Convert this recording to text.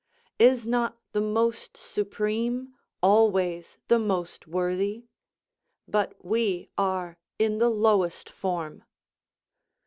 Is not the most supreme always the most worthy? but we are in the lowest form.